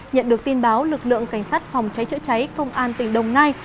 nhận được tin báo lực lượng cảnh sát phòng cháy chữa cháy công an tỉnh đồng nai